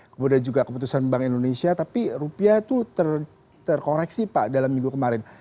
kemudian juga keputusan bank indonesia tapi rupiah itu terkoreksi pak dalam minggu kemarin